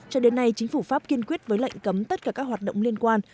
cho đến nay chính phủ pháp kiên quyết với lệnh cấm tất cả các hoạt động liên quan